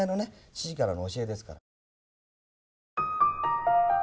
父からの教えですから。